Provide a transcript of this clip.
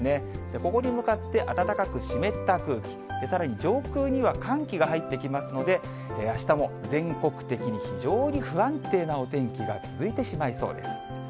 ここに向かって、暖かく湿った空気、さらに上空には寒気が入ってきますので、あしたも全国的に非常に不安定なお天気が続いてしまいそうです。